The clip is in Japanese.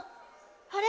あれ？